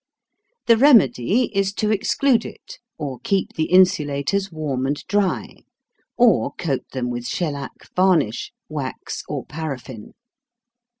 The remedy is to exclude it, or keep the insulators warm and dry, or coat them with shellac varnish, wax, or paraffin.